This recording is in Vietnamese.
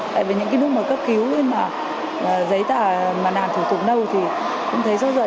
tại vì những cái lúc mà cấp cứu giấy tả mà làm thủ tục đâu thì cũng thấy sốt ruột